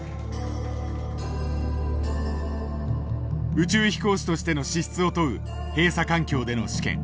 宇宙飛行士としての資質を問う閉鎖環境での試験。